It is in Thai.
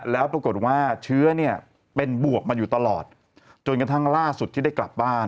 แล้วปรากฏว่าเชื้อเนี่ยเป็นบวกมาอยู่ตลอดจนกระทั่งล่าสุดที่ได้กลับบ้าน